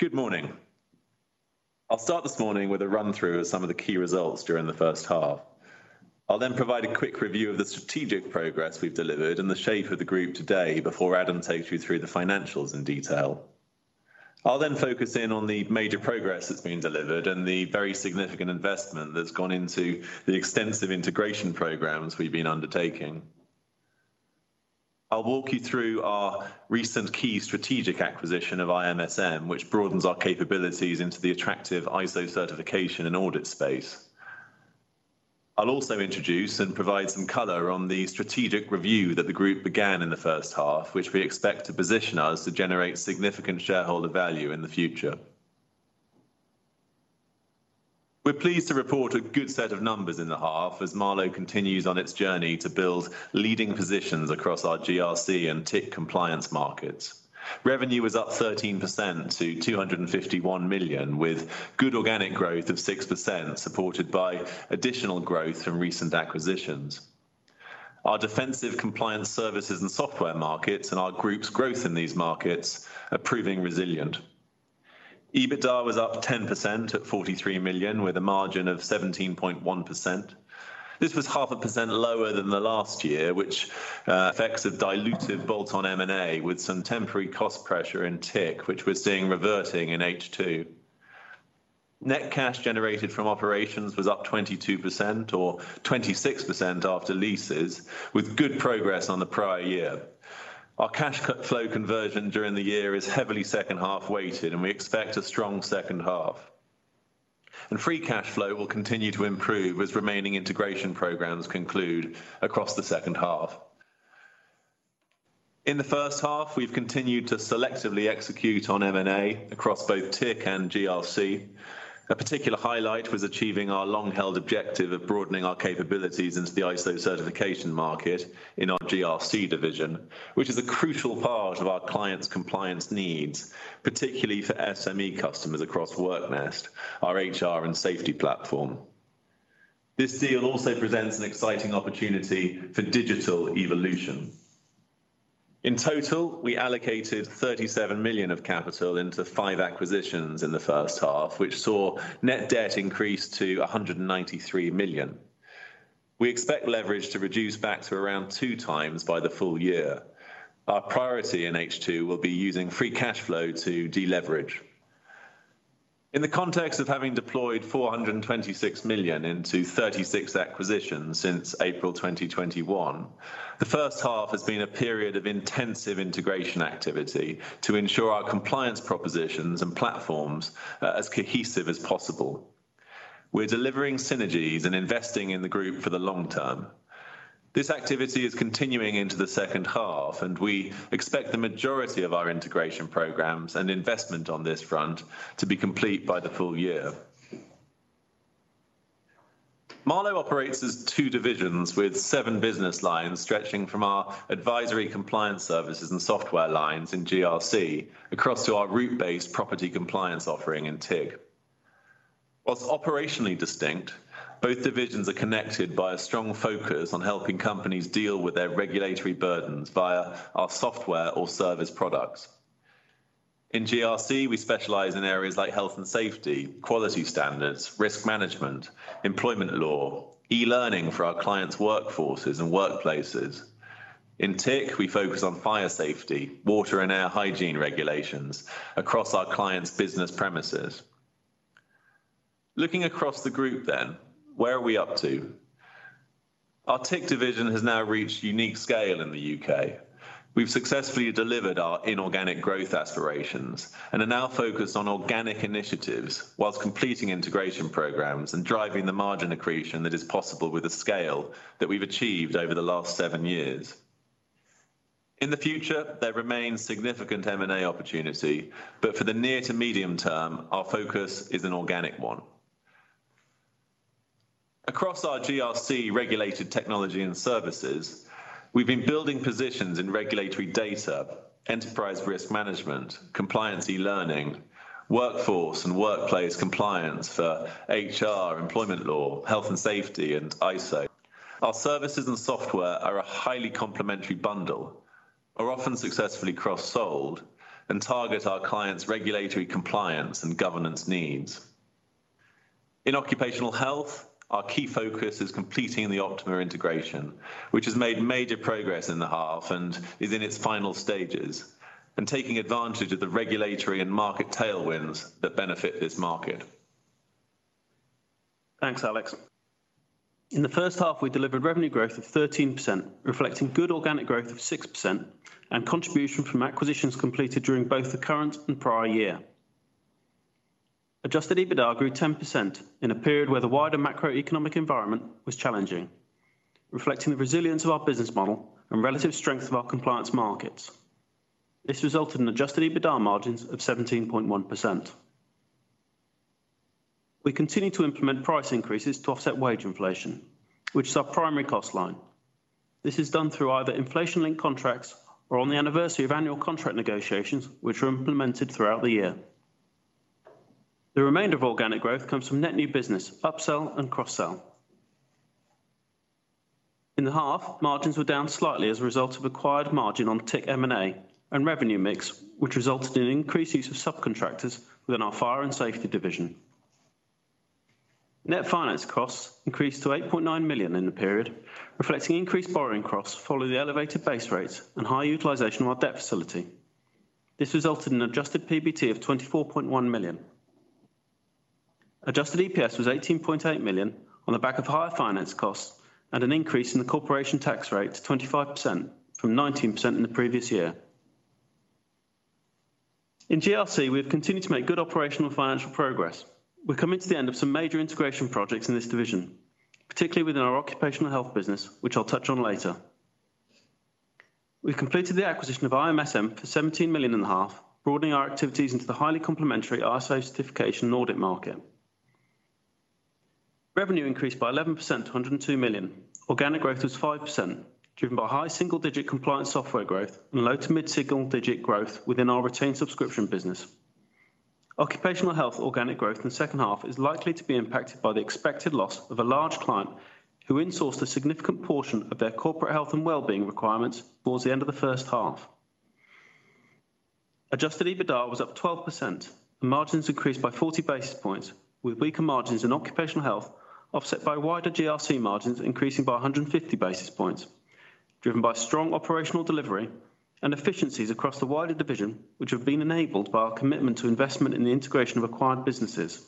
Good morning. I'll start this morning with a run-through of some of the key results during the first half. I'll then provide a quick review of the strategic progress we've delivered and the shape of the group today before Adam takes you through the financials in detail. I'll then focus in on the major progress that's been delivered and the very significant investment that's gone into the extensive integration programs we've been undertaking. I'll walk you through our recent key strategic acquisition of IMSM, which broadens our capabilities into the attractive ISO certification and audit space. I'll also introduce and provide some color on the strategic review that the group began in the first half, which we expect to position us to generate significant shareholder value in the future. We're pleased to report a good set of numbers in the half as Marlowe continues on its journey to build leading positions across our GRC and TIC compliance markets. Revenue was up 13% to 251 million, with good organic growth of 6%, supported by additional growth from recent acquisitions. Our defensive compliance services and software markets, and our group's growth in these markets, are proving resilient. EBITDA was up 10% at 43 million, with a margin of 17.1%. This was 0.5% lower than the last year, which affects a dilutive bolt-on M&A with some temporary cost pressure in TIC, which we're seeing reverting in H2. Net cash generated from operations was up 22% or 26% after leases, with good progress on the prior year. Our cash flow conversion during the year is heavily second-half weighted, and we expect a strong second half. Free cash flow will continue to improve as remaining integration programs conclude across the second half. In the first half, we've continued to selectively execute on M&A across both TIC and GRC. A particular highlight was achieving our long-held objective of broadening our capabilities into the ISO certification market in our GRC division, which is a crucial part of our clients' compliance needs, particularly for SME customers across WorkNest, our HR and safety platform. This deal also presents an exciting opportunity for digital evolution. In total, we allocated 37 million of capital into 5 acquisitions in the first half, which saw net debt increase to 193 million. We expect leverage to reduce back to around 2x by the full year. Our priority in H2 will be using free cash flow to deleverage. In the context of having deployed 426 million into 36 acquisitions since April 2021, the first half has been a period of intensive integration activity to ensure our compliance propositions and platforms are as cohesive as possible. We're delivering synergies and investing in the group for the long term. This activity is continuing into the second half, and we expect the majority of our integration programs and investment on this front to be complete by the full year. Marlowe operates as two divisions with seven business lines, stretching from our advisory compliance services and software lines in GRC across to our route-based property compliance offering in TIC. While operationally distinct, both divisions are connected by a strong focus on helping companies deal with their regulatory burdens via our software or service products. In GRC, we specialize in areas like health and safety, quality standards, risk management, employment law, e-learning for our clients' workforces and workplaces. In TIC, we focus on fire safety, water and air hygiene regulations across our clients' business premises. Looking across the group then, where are we up to? Our TIC division has now reached unique scale in the UK. We've successfully delivered our inorganic growth aspirations and are now focused on organic initiatives whilst completing integration programs and driving the margin accretion that is possible with the scale that we've achieved over the last seven years. In the future, there remains significant M&A opportunity, but for the near to medium term, our focus is an organic one. Across our GRC regulated technology and services, we've been building positions in regulatory data, enterprise risk management, compliance e-learning, workforce and workplace compliance for HR, employment law, health and safety, and ISO. Our services and software are a highly complementary bundle, are often successfully cross-sold, and target our clients' regulatory compliance and governance needs. In occupational health, our key focus is completing the Optima integration, which has made major progress in the half and is in its final stages, and taking advantage of the regulatory and market tailwinds that benefit this market. Thanks, Alex. In the first half, we delivered revenue growth of 13%, reflecting good organic growth of 6% and contribution from acquisitions completed during both the current and prior year. Adjusted EBITDA grew 10% in a period where the wider macroeconomic environment was challenging, reflecting the resilience of our business model and relative strength of our compliance markets. This resulted in Adjusted EBITDA margins of 17.1%. We continue to implement price increases to offset wage inflation, which is our primary cost line. This is done through either inflation-linked contracts or on the anniversary of annual contract negotiations, which are implemented throughout the year. The remainder of organic growth comes from net new business, upsell and cross-sell.... In the half, margins were down slightly as a result of acquired margin on TIC M&A and revenue mix, which resulted in increased use of subcontractors within our fire and safety division. Net finance costs increased to 8.9 million in the period, reflecting increased borrowing costs following the elevated base rates and high utilization of our debt facility. This resulted in an adjusted PBT of 24.1 million. Adjusted EPS was 18.8 million on the back of higher finance costs and an increase in the corporation tax rate to 25% from 19% in the previous year. In GRC, we have continued to make good operational financial progress. We're coming to the end of some major integration projects in this division, particularly within our occupational health business, which I'll touch on later. We've completed the acquisition of IMSM for 17 million in the half, broadening our activities into the highly complementary ISO certification and audit market. Revenue increased by 11% to 102 million. Organic growth was 5%, driven by high single-digit compliance software growth and low to mid-single-digit growth within our retained subscription business. Occupational health organic growth in the second half is likely to be impacted by the expected loss of a large client who insourced a significant portion of their corporate health and well-being requirements towards the end of the first half. Adjusted EBITDA was up 12%, and margins increased by 40 basis points, with weaker margins in occupational health offset by wider GRC margins increasing by 150 basis points, driven by strong operational delivery and efficiencies across the wider division, which have been enabled by our commitment to investment in the integration of acquired businesses.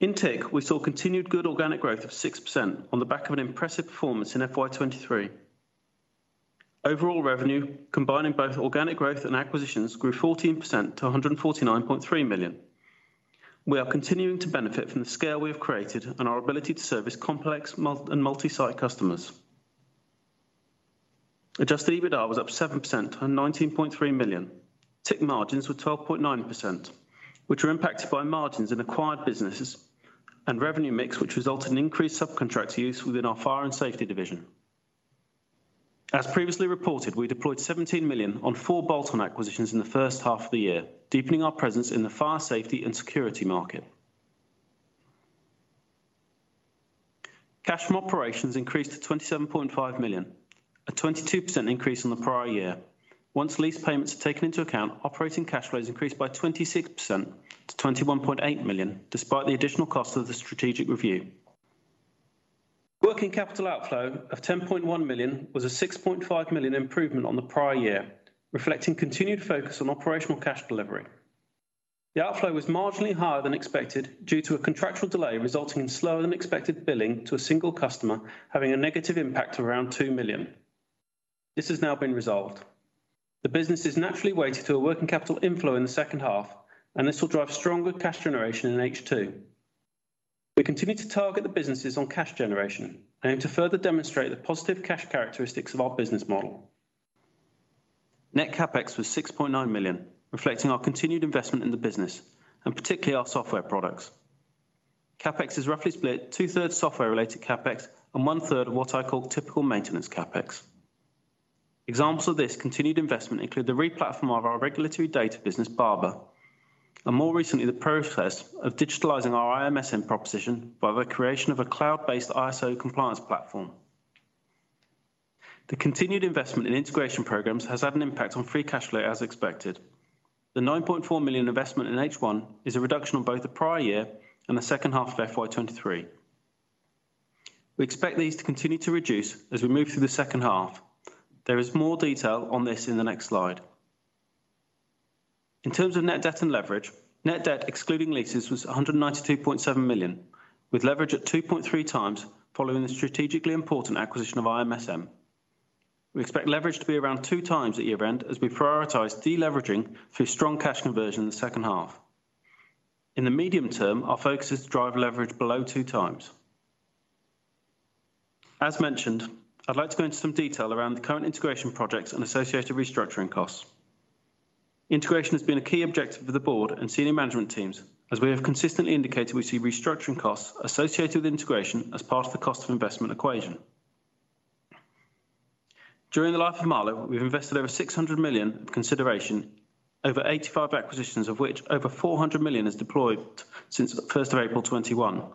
In TIC, we saw continued good organic growth of 6% on the back of an impressive performance in FY 2023. Overall revenue, combining both organic growth and acquisitions, grew 14% to 149.3 million. We are continuing to benefit from the scale we have created and our ability to service complex multi-site customers. Adjusted EBITDA was up 7% to 19.3 million. TIC margins were 12.9%, which were impacted by margins in acquired businesses and revenue mix, which resulted in increased subcontractor use within our fire and safety division. As previously reported, we deployed 17 million on four bolt-on acquisitions in the first half of the year, deepening our presence in the fire safety and security market. Cash from operations increased to 27.5 million, a 22% increase on the prior year. Once lease payments are taken into account, operating cash flows increased by 26% to 21.8 million, despite the additional cost of the strategic review. Working capital outflow of 10.1 million was a 6.5 million improvement on the prior year, reflecting continued focus on operational cash delivery. The outflow was marginally higher than expected due to a contractual delay, resulting in slower than expected billing to a single customer, having a negative impact of around 2 million. This has now been resolved. The business is naturally weighted to a working capital inflow in the second half, and this will drive stronger cash generation in H2. We continue to target the businesses on cash generation and to further demonstrate the positive cash characteristics of our business model. Net CapEx was 6.9 million, reflecting our continued investment in the business, and particularly our software products. CapEx is roughly split two-thirds software-related CapEx and one-third of what I call typical maintenance CapEx. Examples of this continued investment include the re-platform of our regulatory data business, Barbour, and more recently, the process of digitalizing our IMSM proposition by the creation of a cloud-based ISO compliance platform. The continued investment in integration programs has had an impact on free cash flow, as expected. The 9.4 million investment in H1 is a reduction on both the prior year and the second half of FY 2023. We expect these to continue to reduce as we move through the second half. There is more detail on this in the next slide. In terms of net debt and leverage, net debt, excluding leases, was 192.7 million, with leverage at 2.3x, following the strategically important acquisition of IMSM. We expect leverage to be around 2x at year-end as we prioritize deleveraging through strong cash conversion in the second half. In the medium term, our focus is to drive leverage below 2x. As mentioned, I'd like to go into some detail around the current integration projects and associated restructuring costs. Integration has been a key objective for the board and senior management teams. As we have consistently indicated, we see restructuring costs associated with integration as part of the cost of investment equation. During the life of Marlowe, we've invested over 600 million of consideration, over 85 acquisitions, of which over 400 million is deployed since the first of April 2021. There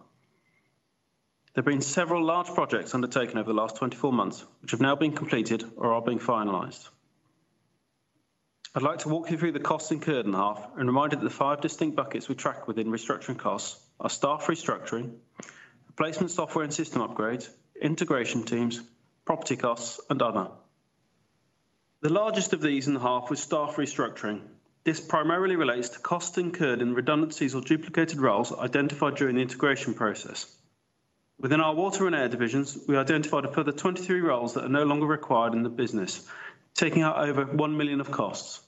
have been several large projects undertaken over the last 24 months, which have now been completed or are being finalized. I'd like to walk you through the costs incurred in half and remind you that the five distinct buckets we track within restructuring costs are staff restructuring, replacement software and system upgrades, integration teams, property costs, and other. The largest of these in the half was staff restructuring. This primarily relates to costs incurred in redundancies or duplicated roles identified during the integration process. Within our water and air divisions, we identified a further 23 roles that are no longer required in the business, taking out over 1 million of costs.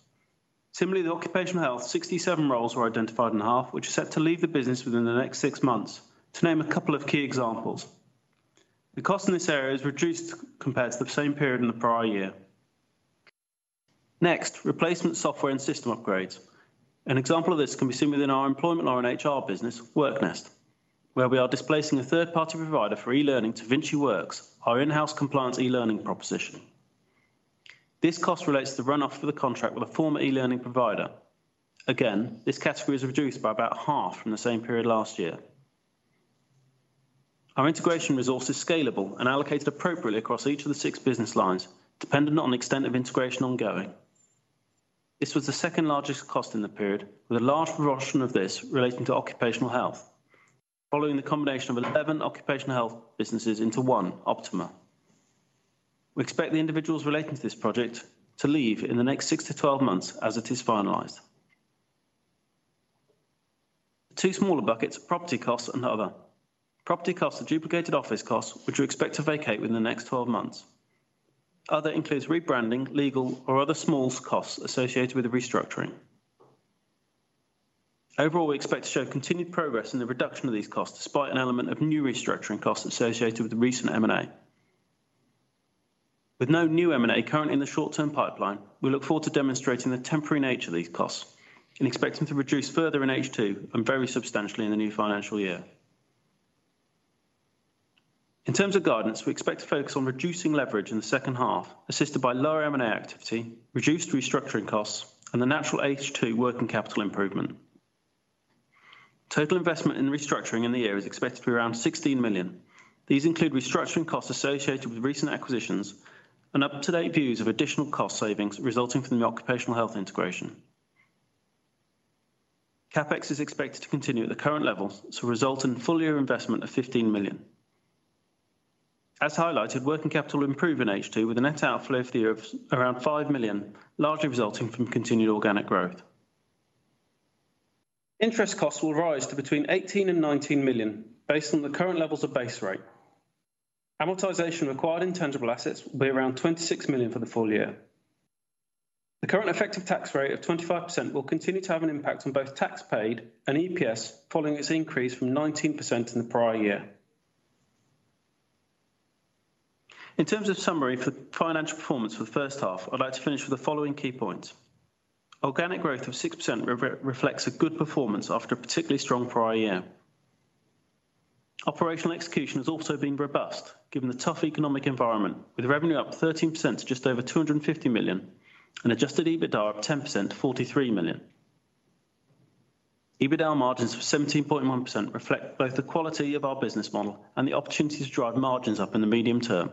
Similarly, the occupational health, 67 roles were identified in half, which are set to leave the business within the next 6 months, to name a couple of key examples. The cost in this area is reduced compared to the same period in the prior year. Next, replacement software and system upgrades. An example of this can be seen within our employment law and HR business, WorkNest, where we are displacing a third-party provider for e-learning to VinciWorks, our in-house compliance e-learning proposition. This cost relates to the run-off for the contract with a former e-learning provider. Again, this category is reduced by about half from the same period last year. Our integration resource is scalable and allocated appropriately across each of the 6 business lines, dependent on the extent of integration ongoing. This was the second largest cost in the period, with a large proportion of this relating to occupational health, following the combination of 11 occupational health businesses into one, Optima. We expect the individuals relating to this project to leave in the next 6-12 months as it is finalized. The 2 smaller buckets, property costs and other. Property costs are duplicated office costs, which we expect to vacate within the next 12 months. Other includes rebranding, legal, or other small costs associated with the restructuring. Overall, we expect to show continued progress in the reduction of these costs, despite an element of new restructuring costs associated with the recent M&A. With no new M&A currently in the short-term pipeline, we look forward to demonstrating the temporary nature of these costs and expecting to reduce further in H2 and very substantially in the new financial year. In terms of guidance, we expect to focus on reducing leverage in the second half, assisted by lower M&A activity, reduced restructuring costs, and the natural H2 working capital improvement. Total investment in the restructuring in the year is expected to be around 16 million. These include restructuring costs associated with recent acquisitions and up-to-date views of additional cost savings resulting from the occupational health integration. CapEx is expected to continue at the current levels to result in full year investment of 15 million. As highlighted, working capital will improve in H2, with a net outflow for the year of around 5 million, largely resulting from continued organic growth. Interest costs will rise to between 18-19 million based on the current levels of base rate. Amortization required in tangible assets will be around 26 million for the full year. The current effective tax rate of 25% will continue to have an impact on both tax paid and EPS, following its increase from 19% in the prior year. In terms of summary for the financial performance for the first half, I'd like to finish with the following key points. Organic growth of 6% reflects a good performance after a particularly strong prior year. Operational execution has also been robust, given the tough economic environment, with revenue up 13% to just over 250 million and Adjusted EBITDA of 10% to 43 million. EBITDA margins of 17.1% reflect both the quality of our business model and the opportunity to drive margins up in the medium term.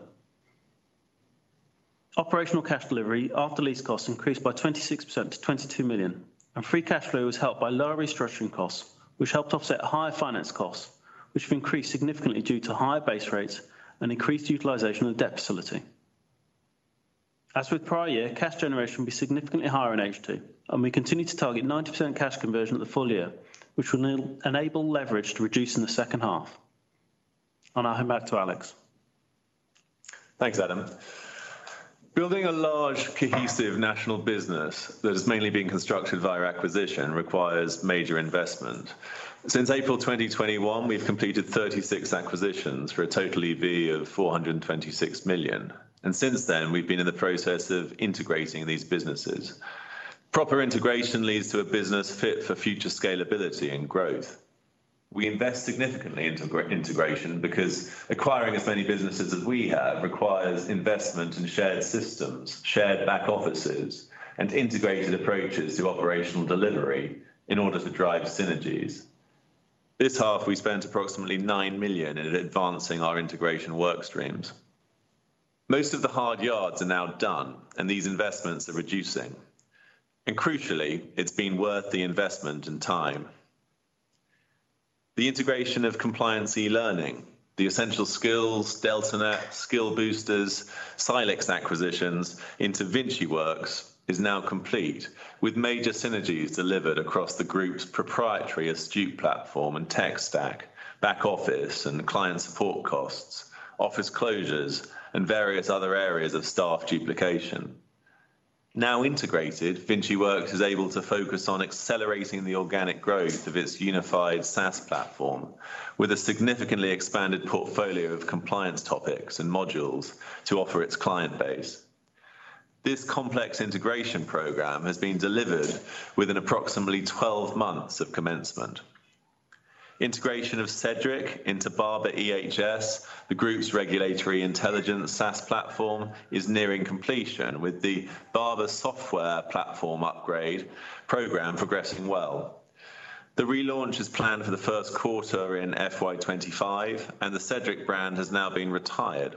Operational cash delivery after lease costs increased by 26% to 22 million, and free cash flow was helped by lower restructuring costs, which helped offset higher finance costs, which have increased significantly due to higher base rates and increased utilization of debt facility. As with prior year, cash generation will be significantly higher in H2, and we continue to target 90% cash conversion of the full year, which will enable leverage to reduce in the second half. I'll hand back to Alex. Thanks, Adam. Building a large, cohesive national business that is mainly being constructed via acquisition requires major investment. Since April 2021, we've completed 36 acquisitions for a total EV of 426 million, and since then, we've been in the process of integrating these businesses. Proper integration leads to a business fit for future scalability and growth. We invest significantly into integration because acquiring as many businesses as we have requires investment in shared systems, shared back offices, and integrated approaches to operational delivery in order to drive synergies. This half, we spent approximately 9 million in advancing our integration work streams. Most of the hard yards are now done, and these investments are reducing. And crucially, it's been worth the investment and time. The integration of compliance e-learning, the EssentialSkillz, DeltaNet, Skill Boosters, Cylix acquisitions into VinciWorks is now complete, with major synergies delivered across the group's proprietary Astute platform and tech stack, back office and client support costs, office closures, and various other areas of staff duplication. Now integrated, VinciWorks is able to focus on accelerating the organic growth of its unified SaaS platform, with a significantly expanded portfolio of compliance topics and modules to offer its client base. This complex integration program has been delivered within approximately 12 months of commencement. Integration of Cedrec into Barbour EHS, the group's regulatory intelligence SaaS platform, is nearing completion, with the Barbour software platform upgrade program progressing well. The relaunch is planned for the first quarter in FY 2025, and the Cedrec brand has now been retired.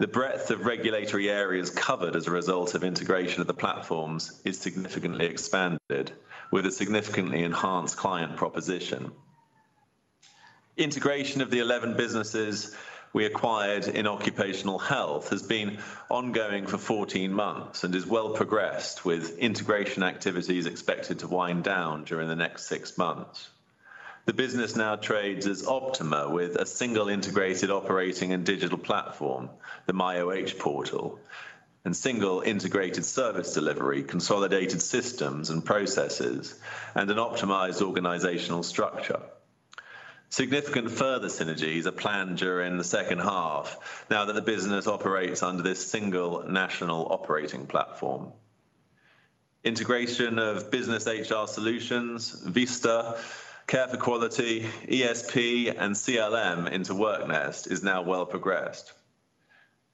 The breadth of regulatory areas covered as a result of integration of the platforms is significantly expanded, with a significantly enhanced client proposition. Integration of the 11 businesses we acquired in occupational health has been ongoing for 14 months and is well progressed, with integration activities expected to wind down during the next 6 months. The business now trades as Optima, with a single integrated operating and digital platform, the myOH portal, and single integrated service delivery, consolidated systems and processes, and an optimized organizational structure. Significant further synergies are planned during the second half now that the business operates under this single national operating platform.... Integration of Business HR Solutions, Vista, Care 4 Quality, ESP, and CLM into WorkNest is now well progressed.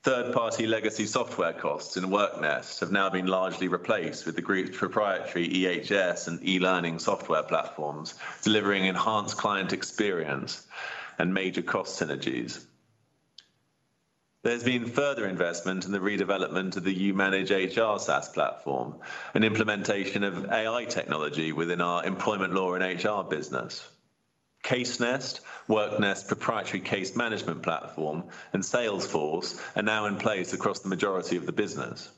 Third-party legacy software costs in WorkNest have now been largely replaced with the group's proprietary EHS and e-learning software platforms, delivering enhanced client experience and major cost synergies. There's been further investment in the redevelopment of the Youmanage HR SaaS platform and implementation of AI technology within our employment law and HR business. CaseNest, WorkNest proprietary case management platform, and Salesforce are now in place across the majority of the business.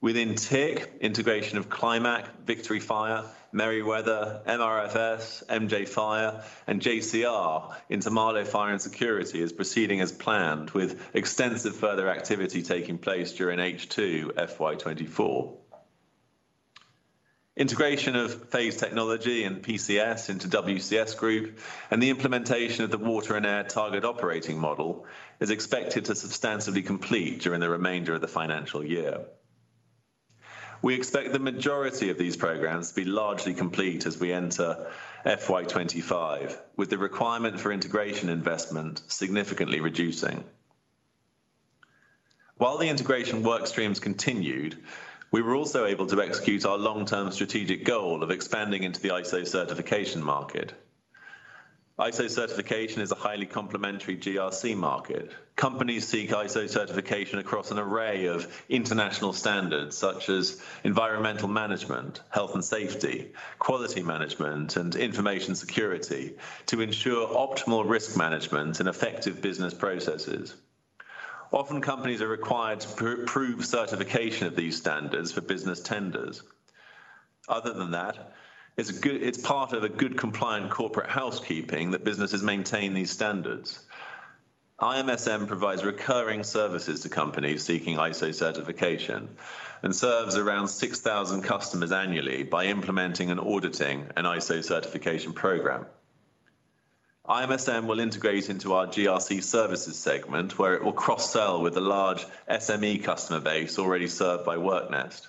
Within TIC, integration of Clymac, Victory Fire, Merryweather, MRFS, MJ Fire, and JCR into Marlowe Fire & Security is proceeding as planned, with extensive further activity taking place during H2 FY24. Integration of Phase Technology and PCS into WCS Group and the implementation of the water and air target operating model is expected to substantially complete during the remainder of the financial year. We expect the majority of these programs to be largely complete as we enter FY 2025, with the requirement for integration investment significantly reducing. While the integration work streams continued, we were also able to execute our long-term strategic goal of expanding into the ISO certification market. ISO certification is a highly complementary GRC market. Companies seek ISO certification across an array of international standards, such as environmental management, health and safety, quality management, and information security, to ensure optimal risk management and effective business processes. Often, companies are required to prove certification of these standards for business tenders. Other than that, it's good, it's part of a good compliant corporate housekeeping that businesses maintain these standards. IMSM provides recurring services to companies seeking ISO certification and serves around 6,000 customers annually by implementing and auditing an ISO certification program. IMSM will integrate into our GRC services segment, where it will cross-sell with a large SME customer base already served by WorkNest.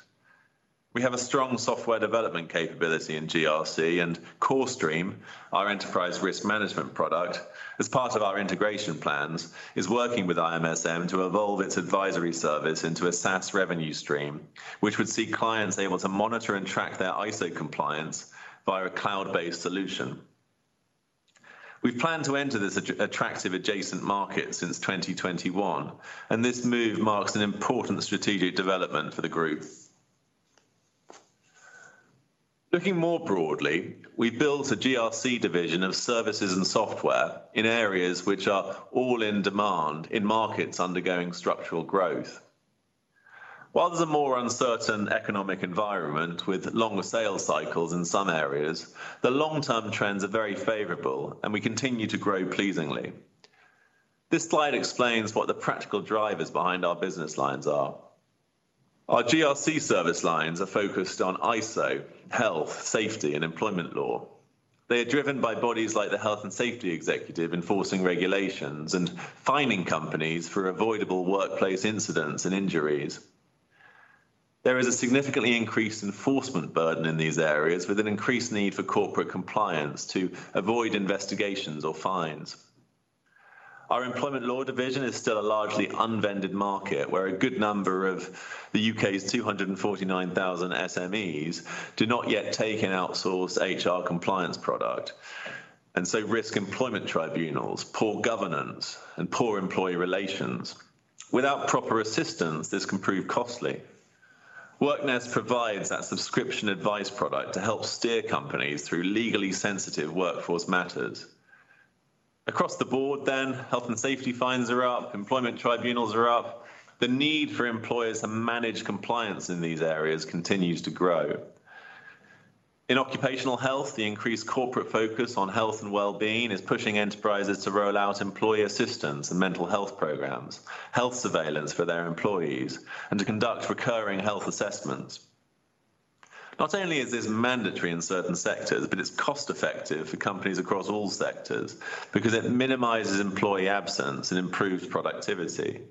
We have a strong software development capability in GRC and CoreStream, our enterprise risk management product. As part of our integration plans, it is working with IMSM to evolve its advisory service into a SaaS revenue stream, which would see clients able to monitor and track their ISO compliance via a cloud-based solution. We've planned to enter this attractive adjacent market since 2021, and this move marks an important strategic development for the group. Looking more broadly, we built a GRC division of services and software in areas which are all in demand in markets undergoing structural growth. While there's a more uncertain economic environment with longer sales cycles in some areas, the long-term trends are very favorable, and we continue to grow pleasingly. This slide explains what the practical drivers behind our business lines are. Our GRC service lines are focused on ISO, health, safety, and employment law. They are driven by bodies like the Health and Safety Executive, enforcing regulations and fining companies for avoidable workplace incidents and injuries. There is a significantly increased enforcement burden in these areas, with an increased need for corporate compliance to avoid investigations or fines. Our employment law division is still a largely unvended market, where a good number of the UK's 249,000 SMEs do not yet take an outsourced HR compliance product, and so risk employment tribunals, poor governance, and poor employee relations. Without proper assistance, this can prove costly. WorkNest provides that subscription advice product to help steer companies through legally sensitive workforce matters. Across the board then, health and safety fines are up, employment tribunals are up. The need for employers to manage compliance in these areas continues to grow. In occupational health, the increased corporate focus on health and well-being is pushing enterprises to roll out employee assistance and mental health programs, health surveillance for their employees, and to conduct recurring health assessments. Not only is this mandatory in certain sectors, but it's cost-effective for companies across all sectors because it minimizes employee absence and improves productivity.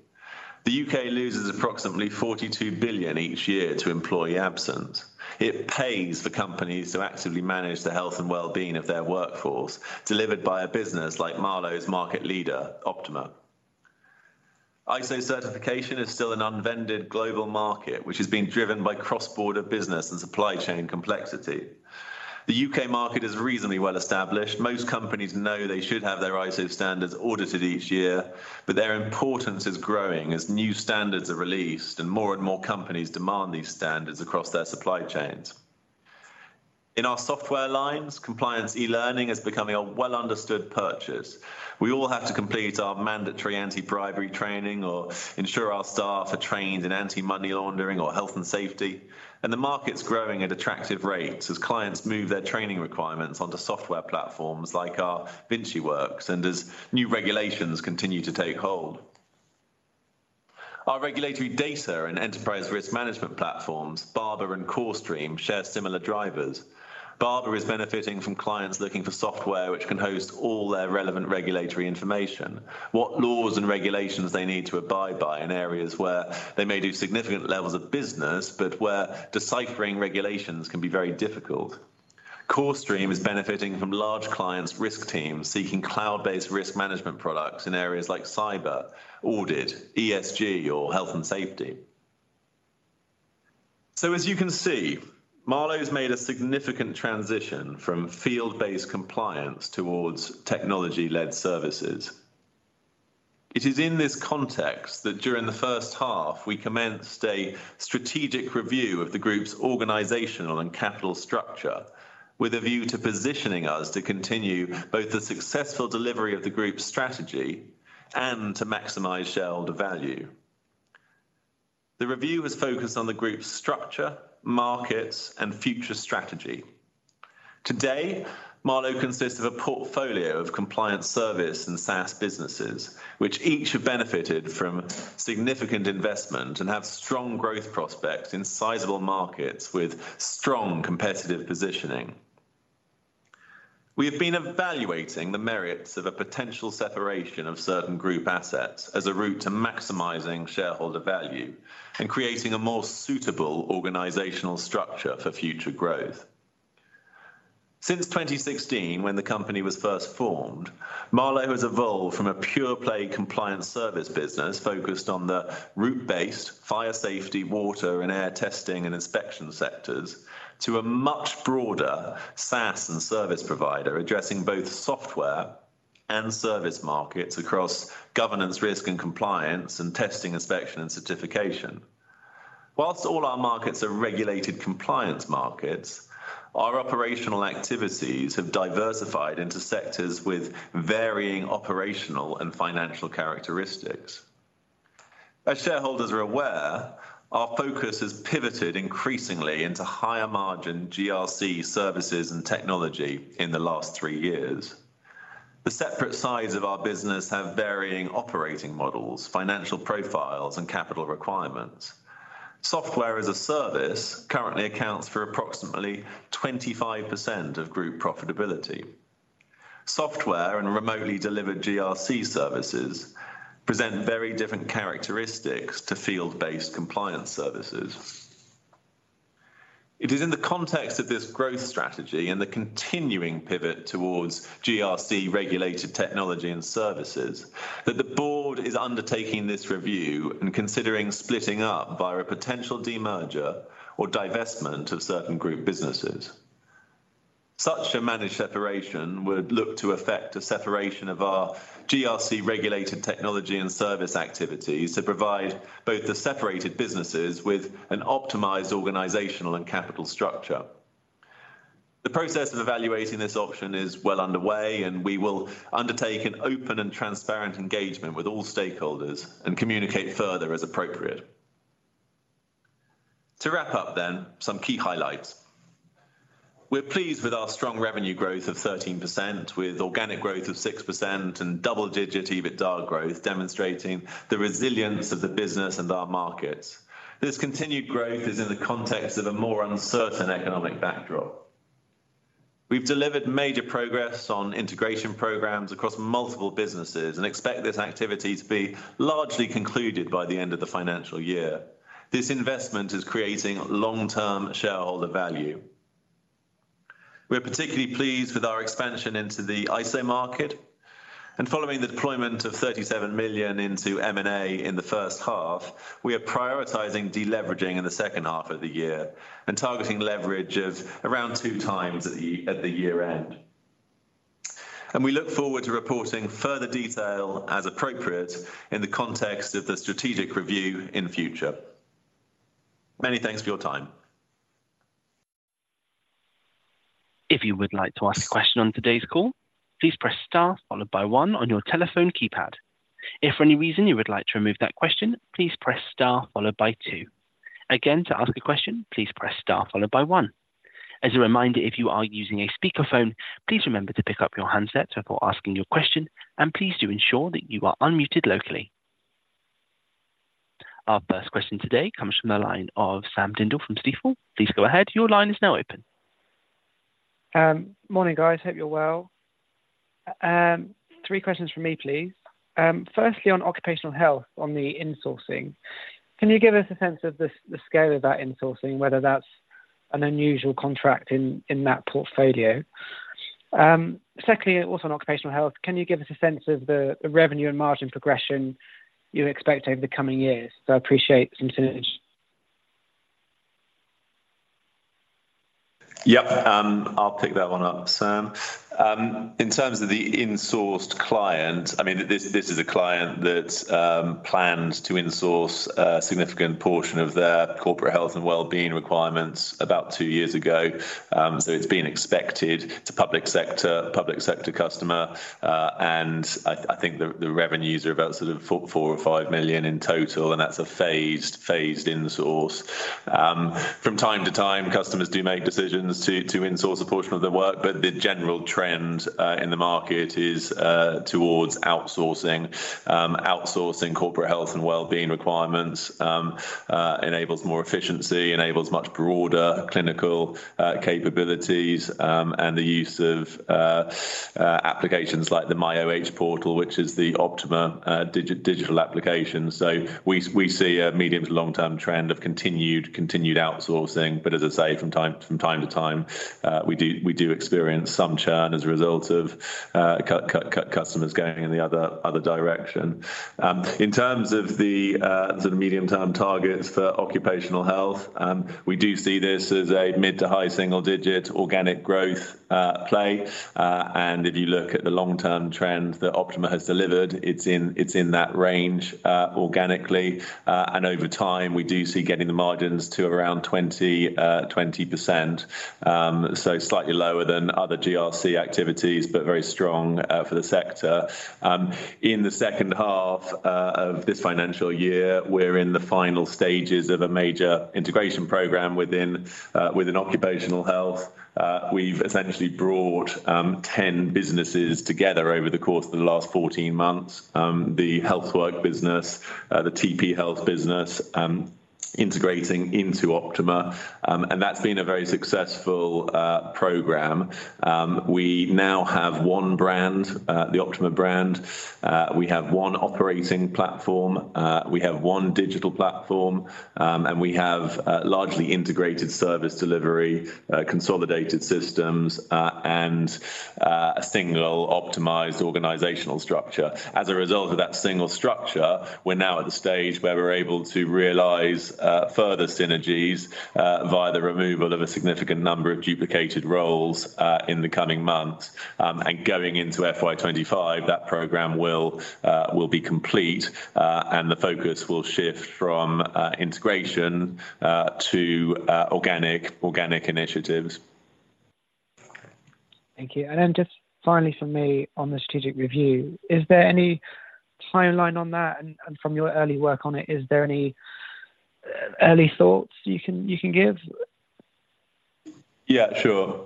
The U.K. loses approximately 42 billion each year to employee absence. It pays for companies to actively manage the health and well-being of their workforce, delivered by a business like Marlowe's market leader, Optima. ISO certification is still an unpenetrated global market, which is being driven by cross-border business and supply chain complexity. The U.K. market is reasonably well established. Most companies know they should have their ISO standards audited each year, but their importance is growing as new standards are released and more and more companies demand these standards across their supply chains. In our software lines, compliance e-learning is becoming a well-understood purchase. We all have to complete our mandatory anti-bribery training or ensure our staff are trained in anti-money laundering or health and safety, and the market's growing at attractive rates as clients move their training requirements onto software platforms like our VinciWorks and as new regulations continue to take hold. Our regulatory data and enterprise risk management platforms, Barbour and CoreStream, share similar drivers. Barbour is benefiting from clients looking for software which can host all their relevant regulatory information. What laws and regulations they need to abide by in areas where they may do significant levels of business, but where deciphering regulations can be very difficult. CoreStream is benefiting from large clients risk teams seeking cloud-based risk management products in areas like cyber, audit, ESG or health and safety. So as you can see, Marlowe's made a significant transition from field-based compliance towards technology-led services. It is in this context that during the first half we commenced a strategic review of the group's organizational and capital structure, with a view to positioning us to continue both the successful delivery of the group's strategy and to maximize shareholder value. The review was focused on the group's structure, markets, and future strategy. Today, Marlowe consists of a portfolio of compliance service and SaaS businesses, which each have benefited from significant investment and have strong growth prospects in sizable markets with strong competitive positioning. We have been evaluating the merits of a potential separation of certain group assets as a route to maximizing shareholder value and creating a more suitable organizational structure for future growth. Since 2016, when the company was first formed, Marlowe has evolved from a pure-play compliance service business focused on the route-based fire safety, water and air testing and inspection sectors, to a much broader SaaS and service provider, addressing both software and service markets across governance, risk, and compliance, and testing, inspection and certification. While all our markets are regulated compliance markets, our operational activities have diversified into sectors with varying operational and financial characteristics. As shareholders are aware, our focus has pivoted increasingly into higher margin GRC services and technology in the last three years. The separate sides of our business have varying operating models, financial profiles, and capital requirements. Software as a service currently accounts for approximately 25% of group profitability. Software and remotely delivered GRC services present very different characteristics to field-based compliance services. It is in the context of this growth strategy and the continuing pivot towards GRC regulated technology and services, that the board is undertaking this review and considering splitting up via a potential demerger or divestment of certain group businesses. Such a managed separation would look to effect a separation of our GRC regulated technology and service activities to provide both the separated businesses with an optimized organizational and capital structure. The process of evaluating this option is well underway, and we will undertake an open and transparent engagement with all stakeholders and communicate further as appropriate. To wrap up then, some key highlights. We're pleased with our strong revenue growth of 13%, with organic growth of 6% and double-digit EBITDA growth, demonstrating the resilience of the business and our markets. This continued growth is in the context of a more uncertain economic backdrop. We've delivered major progress on integration programs across multiple businesses and expect this activity to be largely concluded by the end of the financial year. This investment is creating long-term shareholder value. We are particularly pleased with our expansion into the ISO market, and following the deployment of 37 million into M&A in the first half, we are prioritizing de-leveraging in the second half of the year and targeting leverage of around 2x at the year-end. We look forward to reporting further detail as appropriate in the context of the strategic review in future. Many thanks for your time. If you would like to ask a question on today's call, please press star followed by one on your telephone keypad. If for any reason you would like to remove that question, please press star followed by two. Again, to ask a question, please press star followed by one. As a reminder, if you are using a speakerphone, please remember to pick up your handset before asking your question and please do ensure that you are unmuted locally. Our first question today comes from the line of Sam Tyndall from Stifel. Please go ahead. Your line is now open. Morning, guys. Hope you're well. Three questions from me, please. Firstly, on occupational health, on the insourcing, can you give us a sense of the scale of that insourcing, whether that's an unusual contract in that portfolio? Secondly, also on occupational health, can you give us a sense of the revenue and margin progression you expect over the coming years? So I appreciate some synergy. ... Yep, I'll pick that one up, Sam. In terms of the insourced client, I mean, this is a client that plans to insource a significant portion of their corporate health and well-being requirements about 2 years ago. So it's been expected. It's a public sector customer, and I think the revenues are about 4-5 million in total, and that's a phased insource. From time to time, customers do make decisions to insource a portion of their work, but the general trend in the market is towards outsourcing. Outsourcing corporate health and well-being requirements enables more efficiency, enables much broader clinical capabilities, and the use of applications like the MyOH portal, which is the Optima digital application. So we see a medium to long-term trend of continued outsourcing. But as I say, from time to time, we do experience some churn as a result of customers going in the other direction. In terms of the medium-term targets for occupational health, we do see this as a mid to high single digit organic growth play. And if you look at the long-term trend that Optima has delivered, it's in that range organically. And over time, we do see getting the margins to around 20%. So slightly lower than other GRC activities, but very strong for the sector. In the second half of this financial year, we're in the final stages of a major integration program within occupational health. We've essentially brought ten businesses together over the course of the last 14 months. The Healthwork business, the TP Health business, integrating into Optima. And that's been a very successful program. We now have one brand, the Optima brand. We have one operating platform, we have one digital platform, and we have largely integrated service delivery, consolidated systems, and a single optimized organizational structure. As a result of that single structure, we're now at the stage where we're able to realize further synergies via the removal of a significant number of duplicated roles in the coming months. And going into FY 2025, that program will be complete, and the focus will shift from integration to organic initiatives. Thank you. And then just finally from me on the strategic review, is there any timeline on that? And from your early work on it, is there any early thoughts you can give? Yeah, sure.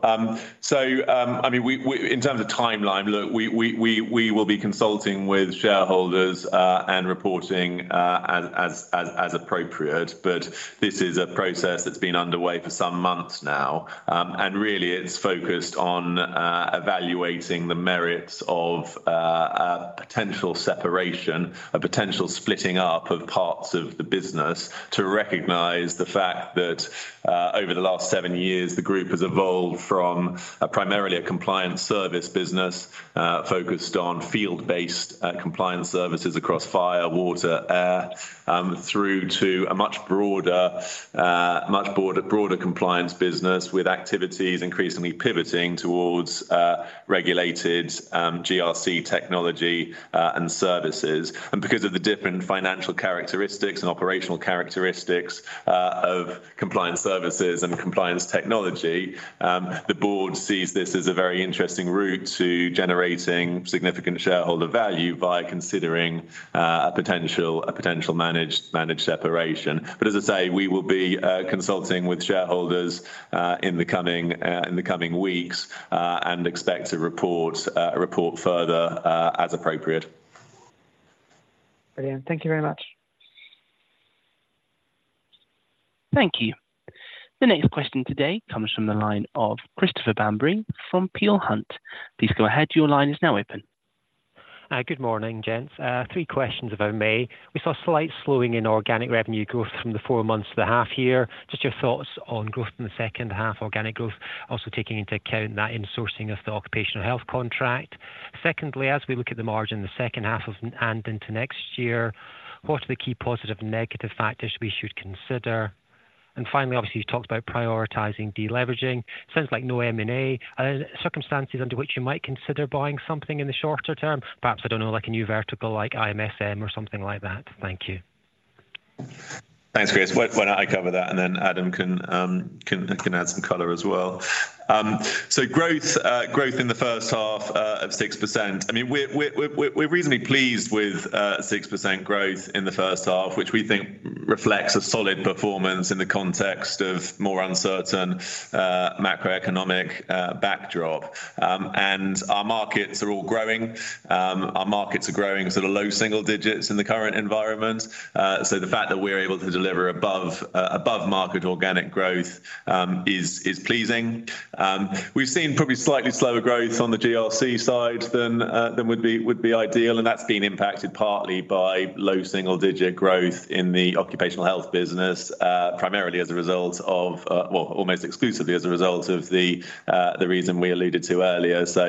So, I mean, we—in terms of timeline, look, we will be consulting with shareholders and reporting as appropriate. But this is a process that's been underway for some months now. And really, it's focused on evaluating the merits of a potential separation, a potential splitting up of parts of the business to recognize the fact that over the last seven years, the group has evolved from primarily a compliance service business focused on field-based compliance services across fire, water, air, through to a much broader compliance business, with activities increasingly pivoting towards regulated GRC technology and services. Because of the different financial characteristics and operational characteristics of compliance services and compliance technology, the board sees this as a very interesting route to generating significant shareholder value by considering a potential managed separation. As I say, we will be consulting with shareholders in the coming weeks and expect to report further as appropriate. Brilliant. Thank you very much. Thank you. The next question today comes from the line of Christopher Bamberry from Peel Hunt. Please go ahead. Your line is now open. Good morning, gents. Three questions, if I may. We saw a slight slowing in organic revenue growth from the four months to the half year. Just your thoughts on growth in the second half, organic growth, also taking into account that insourcing of the occupational health contract. Secondly, as we look at the margin in the second half of and into next year, what are the key positive and negative factors we should consider? And finally, obviously, you talked about prioritizing deleveraging. Sounds like no M&A. Are there circumstances under which you might consider buying something in the shorter term? Perhaps, I don't know, like a new vertical, like IMSM or something like that. Thank you.... Thanks, Chris. Why don't I cover that, and then Adam can add some color as well? Growth in the first half of 6%. I mean, we're reasonably pleased with 6% growth in the first half, which we think reflects a solid performance in the context of more uncertain macroeconomic backdrop. Our markets are all growing. Our markets are growing sort of low single digits in the current environment. The fact that we're able to deliver above market organic growth is pleasing. We've seen probably slightly slower growth on the GRC side than would be ideal, and that's been impacted partly by low single digit growth in the occupational health business, primarily as a result of well, almost exclusively as a result of the reason we alluded to earlier. So,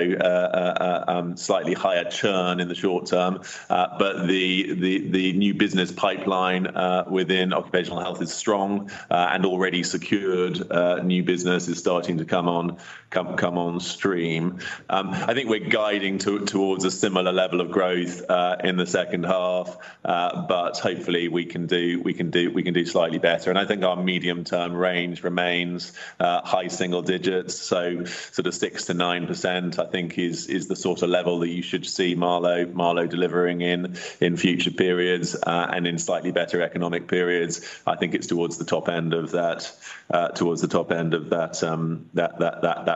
slightly higher churn in the short term. But the new business pipeline within occupational health is strong, and already secured new business is starting to come on stream. I think we're guiding towards a similar level of growth in the second half, but hopefully we can do slightly better. I think our medium-term range remains high single digits, so sort of 6%-9%, I think is the sort of level that you should see Marlowe delivering in future periods, and in slightly better economic periods. I think it's towards the top end of that, towards the top end of that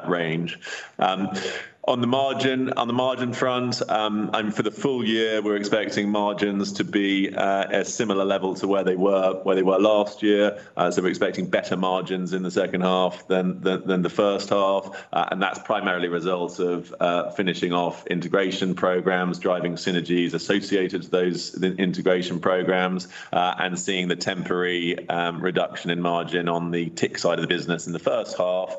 range. On the margin front, and for the full year, we're expecting margins to be at similar level to where they were last year. So we're expecting better margins in the second half than the first half. And that's primarily a result of finishing off integration programs, driving synergies associated to those integration programs, and seeing the temporary reduction in margin on the TIC side of the business in the first half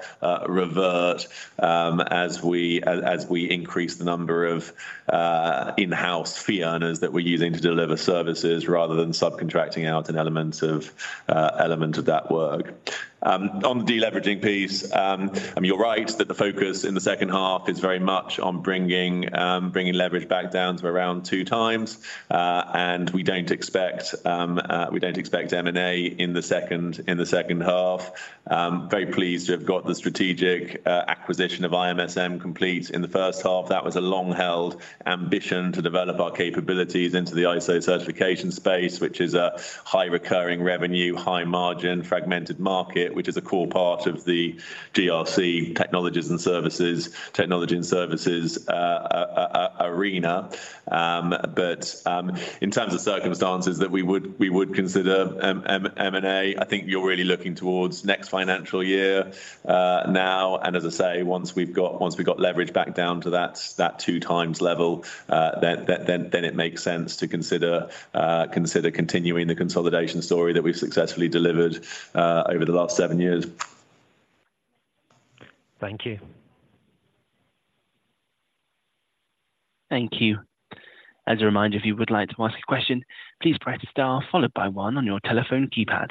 revert as we increase the number of in-house fee earners that we're using to deliver services rather than subcontracting out an element of that work. On the deleveraging piece, I mean, you're right that the focus in the second half is very much on bringing leverage back down to around two times. And we don't expect M&A in the second half. I'm very pleased to have got the strategic acquisition of IMSM complete in the first half. That was a long-held ambition to develop our capabilities into the ISO certification space, which is a high recurring revenue, high margin, fragmented market, which is a core part of the GRC technologies and services, technology and services, arena. But in terms of circumstances that we would consider M&A, I think you're really looking towards next financial year, now, and as I say, once we've got leverage back down to that two times level, then it makes sense to consider continuing the consolidation story that we've successfully delivered over the last seven years. Thank you. Thank you. As a reminder, if you would like to ask a question, please press star followed by one on your telephone keypad.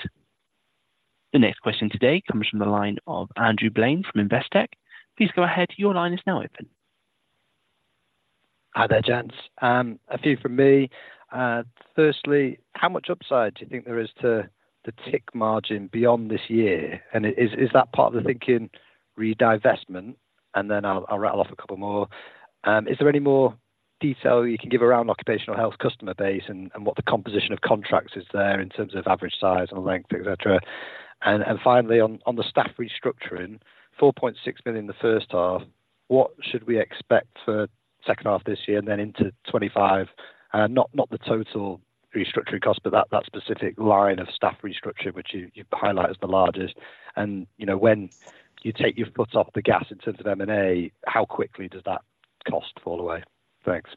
The next question today comes from the line of Andrew Sheridan from Investec. Please go ahead. Your line is now open. Hi there, gents. A few from me. Firstly, how much upside do you think there is to the TIC margin beyond this year? And is that part of the thinking re-divestment? And then I'll rattle off a couple more. Is there any more detail you can give around occupational health customer base and what the composition of contracts is there in terms of average size and length, et cetera? And finally, on the staff restructuring, 4.6 billion in the first half, what should we expect for second half this year and then into 2025? Not the total restructuring cost, but that specific line of staff restructure, which you highlight as the largest. And, you know, when you take your foot off the gas in terms of M&A, how quickly does that cost fall away? Thanks.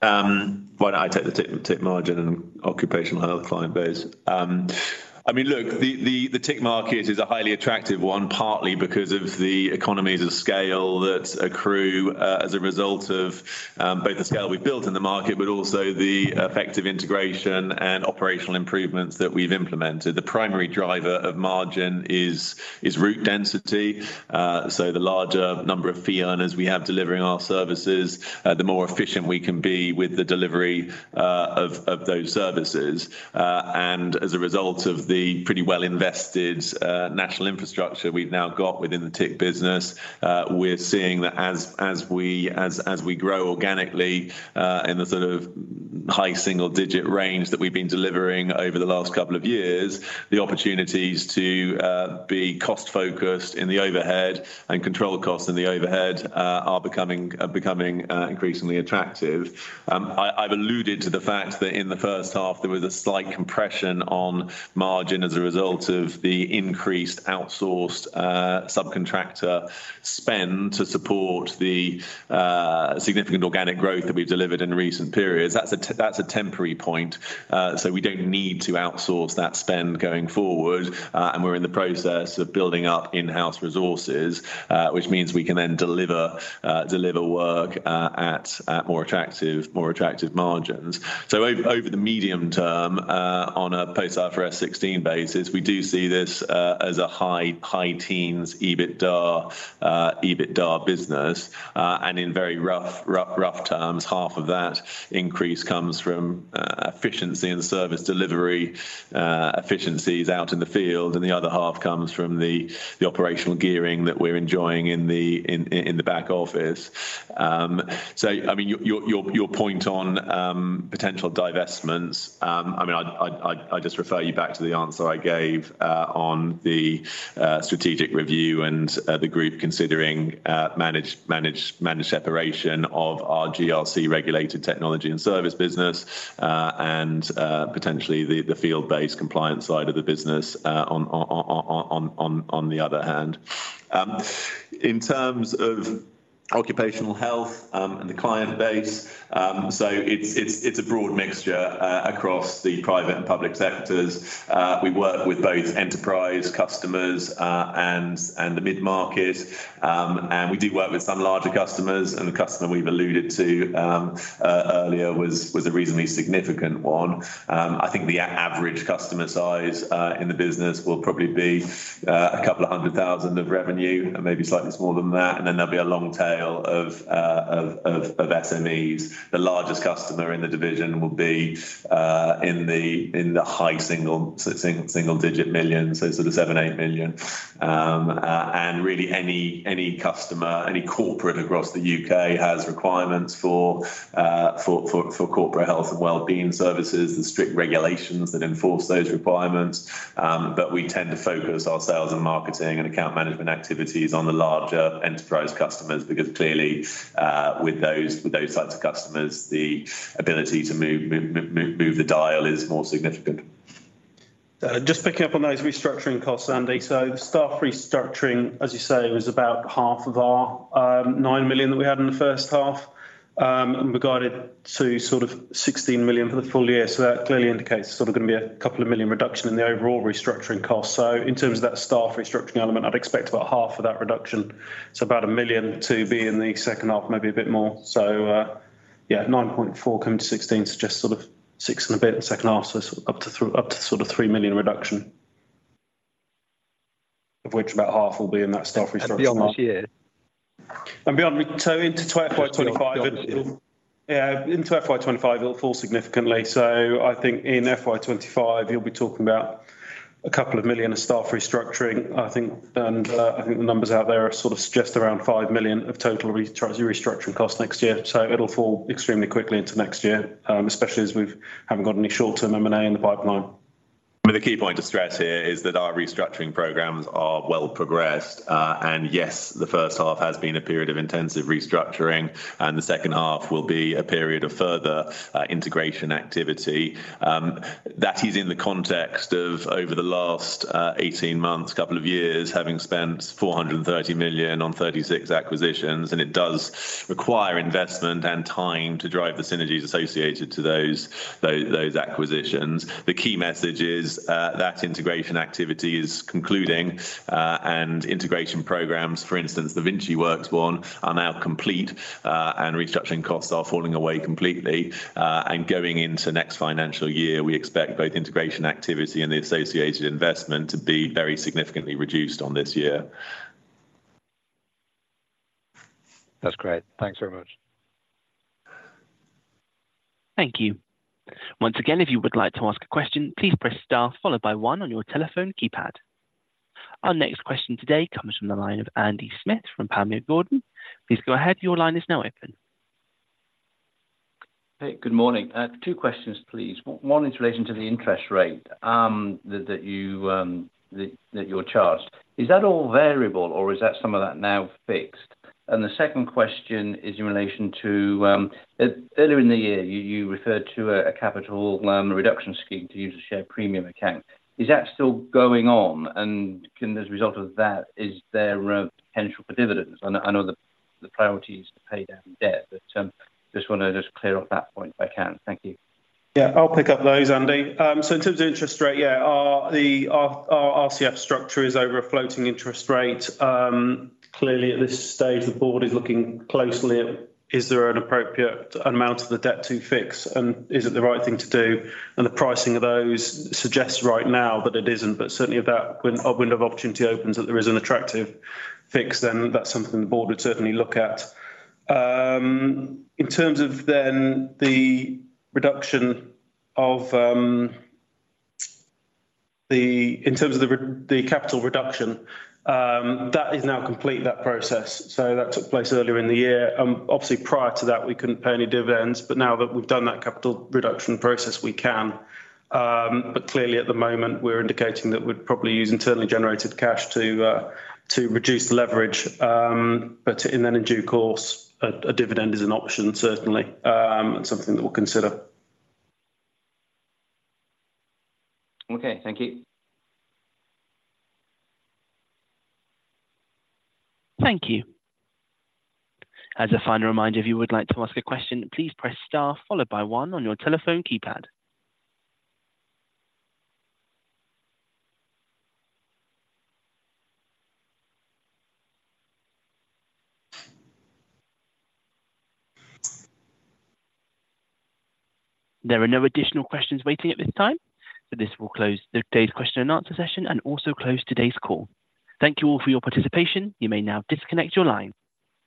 Why don't I take the TIC, TIC margin and occupational health client base? I mean, look, the TIC market is a highly attractive one, partly because of the economies of scale that accrue as a result of both the scale we've built in the market, but also the effective integration and operational improvements that we've implemented. The primary driver of margin is route density. So the larger number of fee earners we have delivering our services, the more efficient we can be with the delivery of those services. And as a result of the pretty well-invested national infrastructure we've now got within the TIC business, we're seeing that as we grow organically in the sort of high single digit range that we've been delivering over the last couple of years, the opportunities to be cost-focused in the overhead and control costs in the overhead are becoming increasingly attractive. I've alluded to the fact that in the first half, there was a slight compression on margin as a result of the increased outsourced subcontractor spend to support the significant organic growth that we've delivered in recent periods. That's a temporary point. So we don't need to outsource that spend going forward, and we're in the process of building up in-house resources, which means we can then deliver work at more attractive margins. So over the medium term, on a post IFRS 16 basis, we do see this as a high teens EBITDA business, and in very rough terms, half of that increase comes from efficiency and service delivery efficiencies out in the field, and the other half comes from the operational gearing that we're enjoying in the back office. So I mean, your point on potential divestments, I mean, I'd just refer you back to the answer I gave on the strategic review and the group considering managing separation of our GRC-regulated technology and service business, and potentially the field-based compliance side of the business, on the other hand. In terms of occupational health and the client base. So it's a broad mixture across the private and public sectors. We work with both enterprise customers and the mid-market. And we do work with some larger customers, and the customer we've alluded to earlier was a reasonably significant one. I think the average customer size in the business will probably be 200,000 of revenue, and maybe slightly more than that, and then there'll be a long tail of SMEs. The largest customer in the division will be in the high single-digit million, so single-digit million, so sort of 7 million-8 million. And really, any customer, any corporate across the U.K. has requirements for corporate health and wellbeing services, the strict regulations that enforce those requirements. But we tend to focus our sales and marketing and account management activities on the larger enterprise customers, because clearly, with those types of customers, the ability to move the dial is more significant. Just picking up on those restructuring costs, Andy. So staff restructuring, as you say, was about half of our 9 million that we had in the first half. And we got it to sort of 16 million for the full year. So that clearly indicates sort of going to be a couple of million reduction in the overall restructuring cost. So in terms of that staff restructuring element, I'd expect about half of that reduction, so about 1 million to be in the second half, maybe a bit more. So, yeah, 9.4 coming to 16, suggest sort of 6 and a bit in the second half, so up to sort of 3 million reduction. Of which about half will be in that staff restructuring- Beyond this year? Beyond, so into FY 2025, it will- Yeah. Yeah, into FY 2025, it'll fall significantly. So I think in FY 2025, you'll be talking about a couple of million of staff restructuring. I think, and, I think the numbers out there are sort of just around 5 million of total restructuring costs next year. So it'll fall extremely quickly into next year, especially as we haven't got any short-term M&A in the pipeline. But the key point to stress here is that our restructuring programs are well progressed. And yes, the first half has been a period of intensive restructuring, and the second half will be a period of further integration activity. That is in the context of over the last 18 months, couple of years, having spent 430 million on 36 acquisitions, and it does require investment and time to drive the synergies associated to those those acquisitions. The key message is that integration activity is concluding, and integration programs, for instance, the VinciWorks one, are now complete, and restructuring costs are falling away completely. And going into next financial year, we expect both integration activity and the associated investment to be very significantly reduced on this year. That's great. Thanks very much. Thank you. Once again, if you would like to ask a question, please press star, followed by one on your telephone keypad. Our next question today comes from the line of Andy Smith from Panmure Gordon. Please go ahead. Your line is now open. Hey, good morning. I have two questions, please. One is in relation to the interest rate that you charge. Is that all variable, or is that some of that now fixed? And the second question is in relation to earlier in the year, you referred to a capital reduction scheme to use a share premium account. Is that still going on? And as a result of that, is there a potential for dividends? I know the priority is to pay down debt, but just want to clear up that point, if I can. Thank you. Yeah, I'll pick up those, Andy. So in terms of interest rate, yeah, our RCF structure is over a floating interest rate. Clearly, at this stage, the board is looking closely at, is there an appropriate amount of the debt to fix, and is it the right thing to do? And the pricing of those suggests right now that it isn't, but certainly if that window of opportunity opens, that there is an attractive fix, then that's something the board would certainly look at. In terms of then the reduction of, the In terms of the capital reduction, that is now complete, that process. So that took place earlier in the year. Obviously, prior to that, we couldn't pay any dividends, but now that we've done that capital reduction process, we can. But clearly, at the moment, we're indicating that we'd probably use internally generated cash to reduce the leverage. But then in due course, a dividend is an option, certainly, and something that we'll consider. Okay. Thank you. Thank you. As a final reminder, if you would like to ask a question, please press star, followed by one on your telephone keypad. There are no additional questions waiting at this time, so this will close today's question and answer session and also close today's call. Thank you all for your participation. You may now disconnect your line.